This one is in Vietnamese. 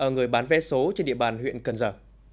người bán vé số trên địa bàn huyện cần giờ